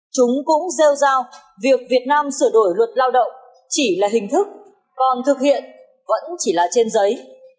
chúng cũng rêu rao việc việt nam sửa đổi luật lao động chỉ là hình thức còn thực hiện vẫn chỉ là trên giấy